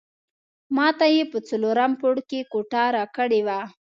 ماته یې په څلورم پوړ کې کوټه راکړې وه.